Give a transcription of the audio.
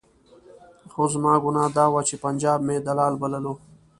خو زما ګناه دا وه چې پنجاب مې دلال بللو.